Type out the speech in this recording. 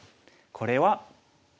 これは。